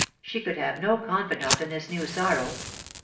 she could have no confidant in this new sorrow.